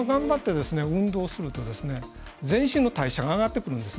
そこ頑張って運動すると全身の代謝が上がってくるんです。。